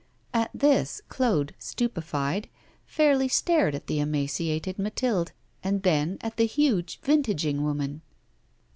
At this Claude, stupefied, fairly stared at the emaciated Mathilde, and then at the huge vintaging woman.